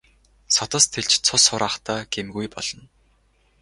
Судас тэлж цус хураахдаа гэмгүй болно.